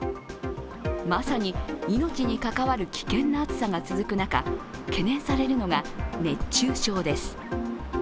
まさに命に関わる危険な暑さが続く中、懸念されるのが、熱中症です。